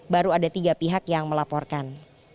baru ada tiga pihak yang melaporkan